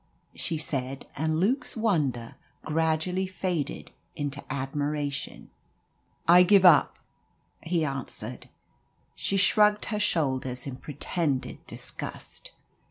she said, and Luke's wonder gradually faded into admiration. "I give it up," he answered. She shrugged her shoulders in pretended disgust.